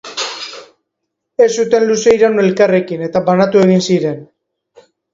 Ez zuten luze iraun elkarrekin eta banatu egin ziren.